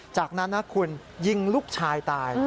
จากนั้นนะคุณยิงลูกชายตาย